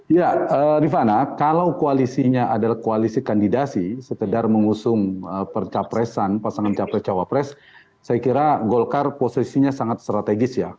ya rifana kalau koalisinya adalah koalisi kandidasi sekedar mengusung percapresan pasangan capres cawapres saya kira golkar posisinya sangat strategis ya